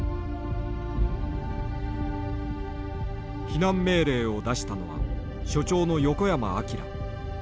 避難命令を出したのは所長の横山章。